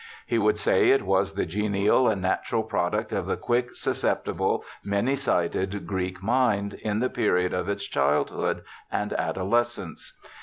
He would say it was the genial and natural product of the quick, susceptible, many sided Greek mind, in the period of its childhood and adolescence.